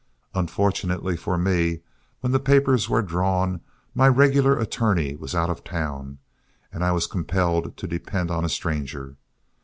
Unfortunately for me, when the papers were drawn, my regular attorney was out of town, and I was compelled to depend on a stranger.